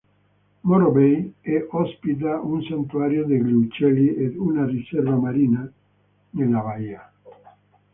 Morro Bay è ospita un santuario degli uccelli ed una riserva marina, nella baia.